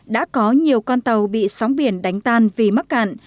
đã có nhiều con tàu bị sóng biển đánh tan vì mắc cạn